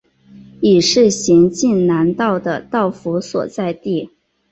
亦是咸镜南道的道府所在地。